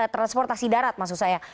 transportasi darat maksud saya